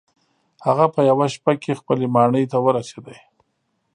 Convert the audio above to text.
هغه په یوه شیبه کې خپلې ماڼۍ ته ورسید.